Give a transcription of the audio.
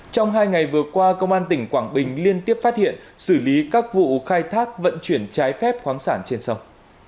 trong hai ngày vừa qua công an tỉnh quảng bình liên tiếp phát hiện xử lý các vụ khai thác vận chuyển trái phép khoáng sản trên sông